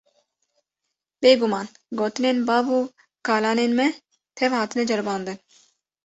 Bêguman gotinên bav û kalanên me tev hatine ceribandin.